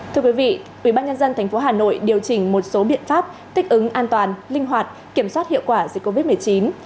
thưa quý vị ubnd tp hà nội điều chỉnh một số biện pháp thích ứng an toàn linh hoạt kiểm soát hiệu quả dịch covid một mươi chín